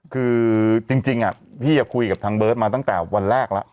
คือจริงพี่คุยกับทางเบิร์ตมาตั้งแต่วันแรกแล้ว